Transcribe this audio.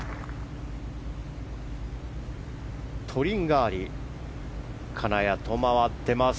トリンガーリ金谷と回っています。